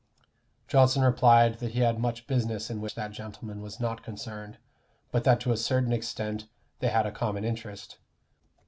Johnson replied that he had much business in which that gentleman was not concerned, but that to a certain extent they had a common interest.